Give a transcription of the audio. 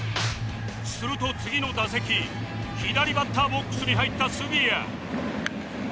すると次の打席左バッターボックスに入った杉谷